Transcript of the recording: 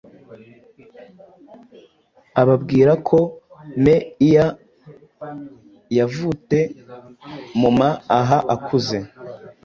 Ababwira ko Meiya yavute, mumaaha akuze